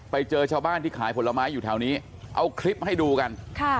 ไปเจอชาวบ้านที่ขายผลไม้อยู่แถวนี้เอาคลิปให้ดูกัน